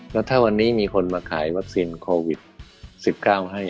แล้วถ้าวันนี้มีคนมาขายวัคซีนโควิด๑๙ให้